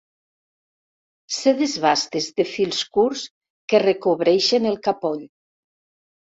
Sedes bastes de fils curts que recobreixen el capoll.